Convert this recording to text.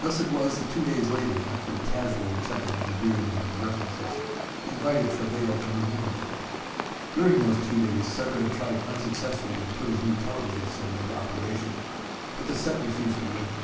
Thus it was that two days later, after a casual checking of the bearded man's references, he invited Travail to move in with him. During those two days Sutter tried unsuccessfully to put his new television set into operation. But the set refused to work.